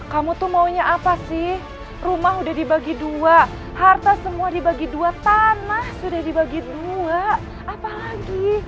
kamu tuh maunya apa sih rumah udah dibagi dua harta semua dibagi dua tanah sudah dibagi dua apalagi